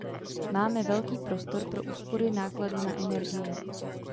Máme velký prostor pro úspory nákladů na energii.